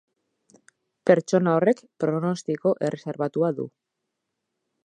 Pertsona horrek pronostiko erreserbatua du.